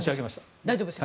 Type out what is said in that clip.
大丈夫です。